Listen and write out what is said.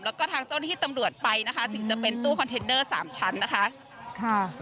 แล้วก็ทางเจ้าหน้าที่ตำรวจไปนะคะถึงจะเป็นตู้คอนเทนเนอร์สามชั้นนะคะค่ะ